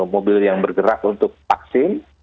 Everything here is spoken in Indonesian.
mobil yang bergerak untuk vaksin